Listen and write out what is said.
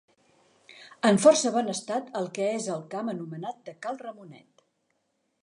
En força bon estat el que és al camp anomenat de Cal Ramonet.